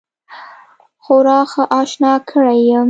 خورا ښه آشنا کړی یم.